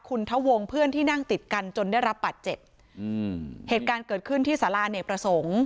คุณทะวงเพื่อนที่นั่งติดกันจนได้รับบาดเจ็บอืมเหตุการณ์เกิดขึ้นที่สาราเนกประสงค์